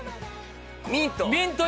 ミント。